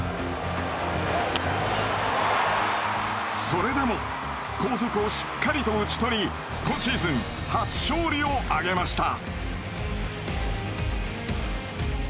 それでも後続をしっかりと打ち取り今シーズン初勝利を挙げました。